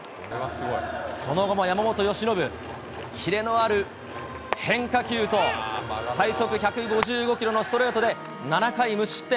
その後も山本由伸、キレのある変化球と、最速１５５キロのストレートで７回無失点。